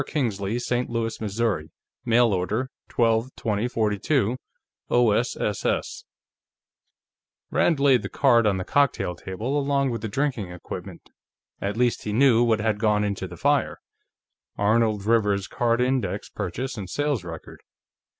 Kingsley, St. Louis, Mo., Mail order, 12/20/'42, OSss._ Rand laid the card on the cocktail table, along with the drinking equipment. At least, he knew what had gone into the fire: Arnold Rivers's card index purchase and sales record.